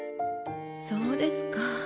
そうですか。